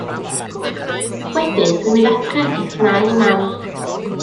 Wedyn dw i'n mynd adra ac yn 'llnau i mam.